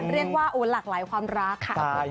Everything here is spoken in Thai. เรียกว่าหลากหลายความรักค่ะ